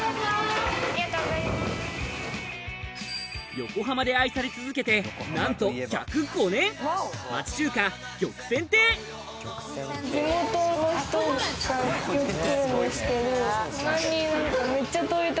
横浜で愛され続けてなんと１０５年町中華玉泉亭たまに。